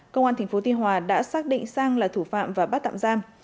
công an tp tuy hòa đã xác định sang là thủ phạm và bắt tạm giam